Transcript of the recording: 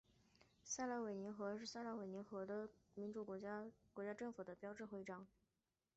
撒拉威阿拉伯民主共和国国徽是阿拉伯撒哈拉民主共和国的国家政府标志徽章。